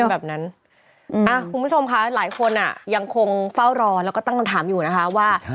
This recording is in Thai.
คุณผู้ชมค่ะหลายคนยังคงเฝ้ารอแล้วก็ต้องคำถามอยู่นะคะว่า